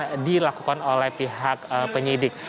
dan nantinya bisa dilakukan oleh pihak penyidik